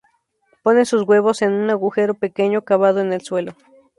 Ponen sus huevos en un agujero pequeño, cavado en el suelo.